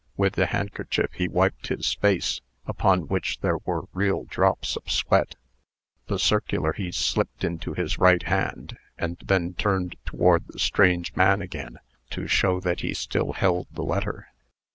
With the handkerchief he wiped his face, upon which there were real drops of sweat. The circular he slipped into his right hand, and then turned toward the strange man again, to show that he still held the letter.